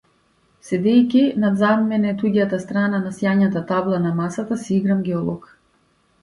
Седејќи над за мене туѓата страна на сјајната табла на масата си играм геолог.